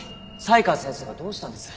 才川先生がどうしたんです？